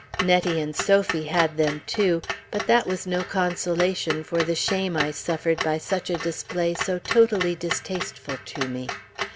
Nettie and Sophie had them, too, but that was no consolation for the shame I suffered by such a display so totally distasteful to me.